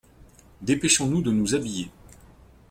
Dépêchons-nous de nous habiller.